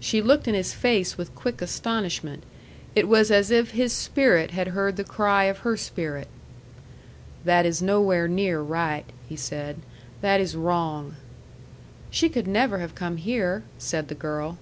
She looked in his face with quick astonishment. It was as if his spirit had heard the cry of her spirit. "That is nowhere near right," he said. "That is wrong." "She could never have come here," said the girl.